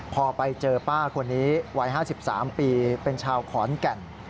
พอไปเจอป้าคนนี้วัย๕๓ปีเป็นชาวขอนแก่น